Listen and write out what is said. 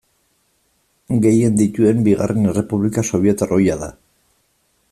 Gehien dituen bigarren errepublika sobietar ohia da.